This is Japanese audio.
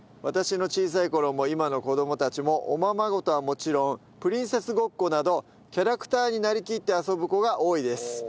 私の小さい頃も今の子供たちもおままごとはもちろんプリンセスごっこなどキャラクターになりきって遊ぶ子が多いです。